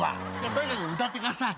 とにかく歌ってください。